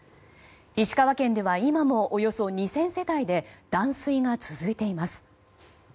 石川県では今もおよそ２０００世帯で断水が続いています。